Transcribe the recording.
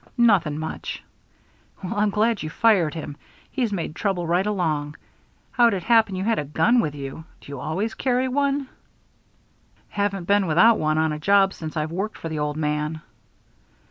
"Nothing much." "Well, I'm glad you fired him. He's made trouble right along. How'd it happen you had a gun with you? Do you always carry one?" "Haven't been without one on a job since I've worked for the old man."